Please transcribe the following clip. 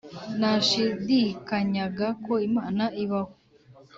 nashidikanyaga ko Imana ibaho.